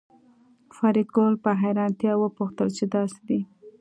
فریدګل په حیرانتیا وپوښتل چې دا څه دي